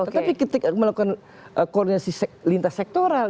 tetapi ketika melakukan koordinasi lintas sektoral